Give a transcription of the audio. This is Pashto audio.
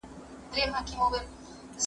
طبیعي شربت جوړ کړئ.